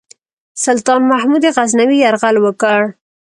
سلطان محمود غزنوي یرغل وکړ.